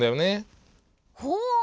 ほう！